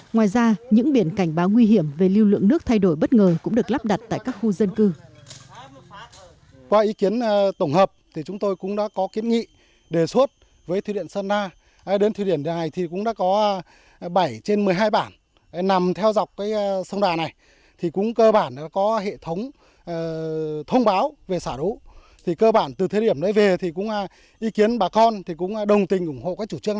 ngoài ra những biển cảnh báo nguy hiểm về lưu lượng nước thay đổi bất ngờ cũng được lắp đặt tại các khu dân cư